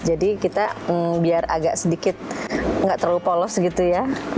jadi kita biar agak sedikit nggak terlalu polos gitu ya